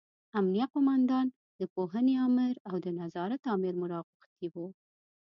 امینه قوماندان، د پوهنې امر او د نظارت امر مو راغوښتي وو.